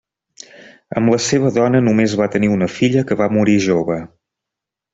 Amb la seva dona només va tenir una filla que va morir jove.